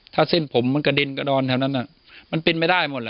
ถ้าเส้นผมมันกระเด็นกระดอนแถวนั้นมันเป็นไปได้หมดแล้ว